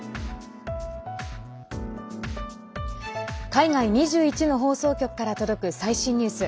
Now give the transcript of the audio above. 海外２１の放送局から届く最新ニュース。